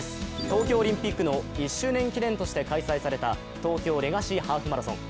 東京オリンピックの１周年記念として開催された東京レガシーハーフマラソン。